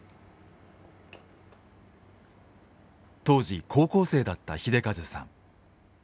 当時高校生だった秀和さん。